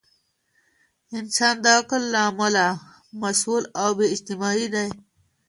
انسان د عقل له کبله مسؤل او اجتماعي دی.